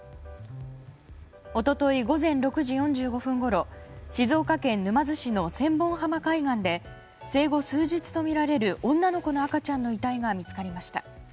一昨日午前６時４５分ごろ静岡県沼津市の千本浜海岸で生後数日とみられる女の子の赤ちゃんの遺体が見つかりました。